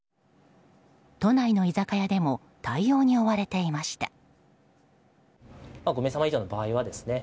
都内の居酒屋でも対応に追われていました。